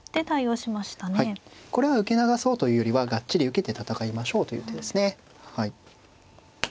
はいこれは受け流そうというよりはがっちり受けて戦いましょうという手ですね。